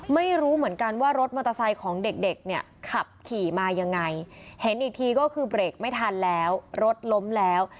ไม่รู้เหมือนกันว่ารถมอเตอร์ไซค์ของเด็กเด็กเนี่ยขับขี่มายังไงเห็นอีกทีก็คือเบรกไม่ทันแล้วรถล้มแล้ว